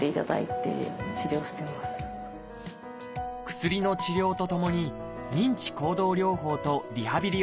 薬の治療とともに認知行動療法とリハビリを始めて１０年。